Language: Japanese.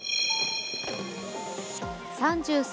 ３３